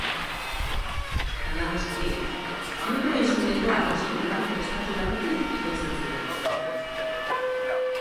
Lanabes horiek, nukleo izeneko harrizko bloke prestatu batetik ekoizten ziren.